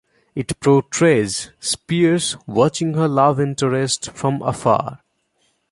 It portrays Spears watching her love interest from afar.